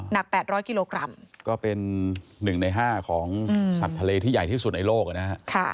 หนักแปดร้อยกิโลกรัมก็เป็นหนึ่งในห้าของสัตว์ทะเลที่ใหญ่ที่สุดในโลกน่ะฮะค่ะ